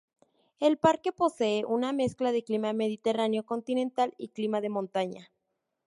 El parque posee una mezcla de clima mediterráneo continental y clima de montaña.